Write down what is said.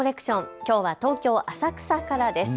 きょうは東京浅草からです。